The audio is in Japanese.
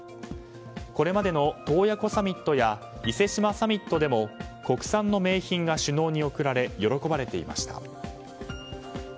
これまでの洞爺湖サミットや伊勢志摩サミットでも国産の名品が首脳に贈られ喜ばれていました。